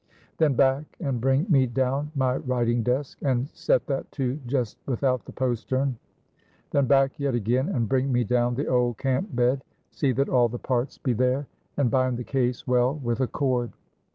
Then back and bring me down my writing desk, and set that, too, just without the postern. Then back yet again, and bring me down the old camp bed (see that all the parts be there), and bind the case well with a cord.